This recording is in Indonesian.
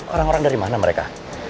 orang orang dari mana mereka